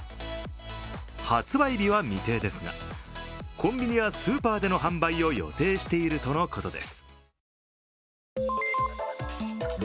発売日は未定ですがコンビニやスーパーでの販売を予定しているとのことです。